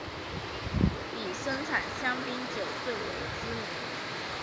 以生产香槟酒最为知名。